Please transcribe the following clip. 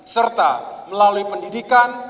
serta melalui pendidikan